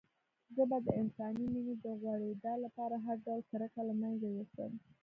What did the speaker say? زه به د انساني مينې د غوړېدا لپاره هر ډول کرکه له منځه يوسم.